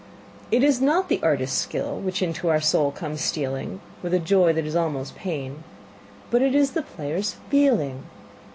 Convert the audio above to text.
It is not the artist's skill which into our soul comes stealing With a joy that is almost pain, but it is the player's feeling.